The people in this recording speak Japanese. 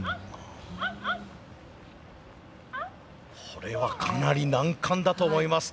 これはかなり難関だと思います。